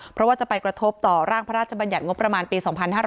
เพราะว่าจะไปกระทบต่อร่างพระราชบัญญัติงบประมาณปี๒๕๕๙